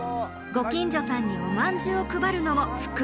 ご近所さんにおまんじゅうを配るのも福井スタイル。